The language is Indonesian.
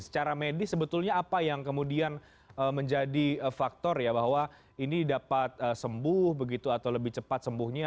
secara medis sebetulnya apa yang kemudian menjadi faktor ya bahwa ini dapat sembuh begitu atau lebih cepat sembuhnya